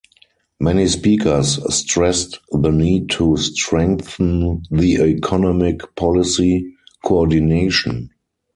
Many speakers stressed the need to strengthen the economic policy co-ordination.